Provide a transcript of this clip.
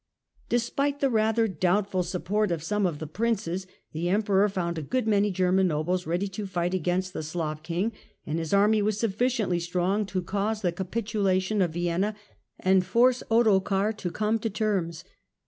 Despite the rather doubtful support of some of the Princes, the Emperor found a good many German nobles ready to fight against the Slav King, and his army was sufficiently strong to cause the capitulation of Vienna and force Ottokar to come to terms.